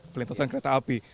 perlintasan kereta api